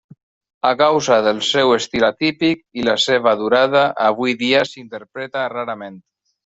A causa del seu estil atípic i la seva durada, avui dia s'interpreta rarament.